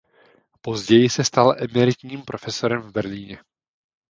Později se stal emeritním profesorem v Berlíně.